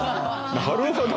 なるほど。